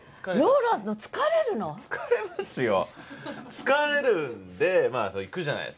疲れるんでまあ行くじゃないですか。